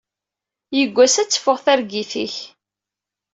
Yiwwas ad teffeɣ targit-ik.